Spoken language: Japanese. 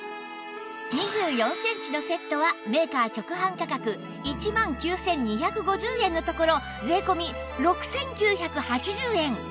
２４センチのセットはメーカー直販価格１万９２５０円のところ税込６９８０円